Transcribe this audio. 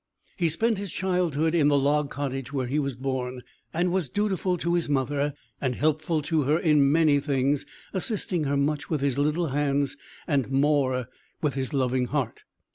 He spent his childhood in the log cottage where he was born, and was dutiful to his mother, and helpful to her in many things, assisting her much with his little hands, and more with his loving heart.